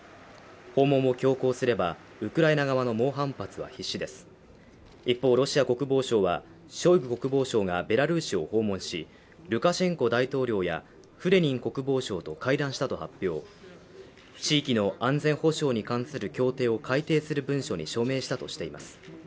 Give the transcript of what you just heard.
訪問を強行すればウクライナ側の猛反発は必至です一方ロシア国防省はショイグ国防相がベラルーシを訪問しルカシェンコ大統領やフレニン国防相と会談したと発表地域の安全保障に関する協定を改定する文書に署名したとしています